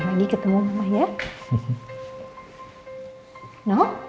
sama lagi ketemu mama ya